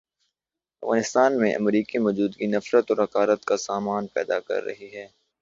افغانستان میں امریکی موجودگی نفرت اور حقارت کا سامان پیدا کر رہی ہے۔